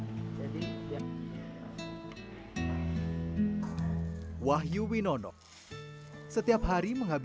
itu jadi ngeshare tidak memaksa untuk memaksa untuk